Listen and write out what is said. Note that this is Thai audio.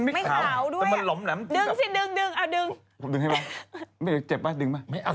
ไม่กลัวอย่ายุ่งกับฉัน